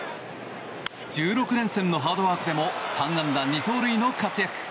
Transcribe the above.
１６連戦のハードワークでも３安打２盗塁の活躍。